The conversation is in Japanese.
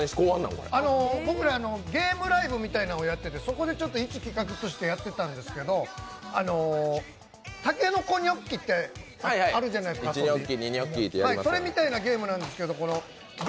僕らゲームライブみたいなものをやっててそこで１企画みたいなものでやってたんですけど「たけのこニョッキ」ってあるじゃないですかそれみたいなゲームなんですけどＢ